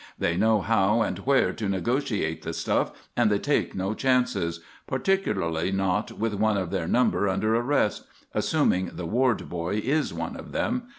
They know how and where to negotiate the stuff and they take no chances; particularly not with one of their number under arrest assuming the Ward boy is one of them.